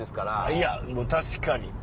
いや確かに。